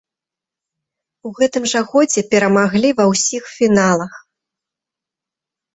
У гэтым жа годзе перамаглі ва ўсіх фіналах!